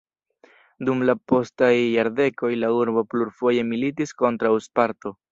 Dum la postaj jardekoj la urbo plurfoje militis kontraŭ Sparto.